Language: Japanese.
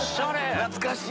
懐かしい！